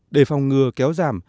để phòng ngừa kéo giảm